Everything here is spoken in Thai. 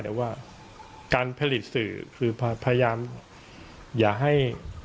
แต่ว่าการผลิตสื่อคือพยายามอย่าให้